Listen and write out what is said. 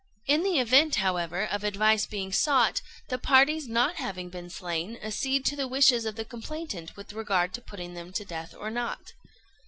"In the event, however, of advice being sought, the parties not having been slain, accede to the wishes of the complainant with, regard to putting them to death or not.